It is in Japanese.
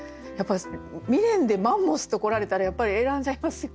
「未練」で「マンモス」と来られたらやっぱり選んじゃいますよね。